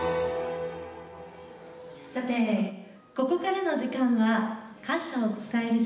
さてここからの時間は感謝を伝える時間にさせて頂きます。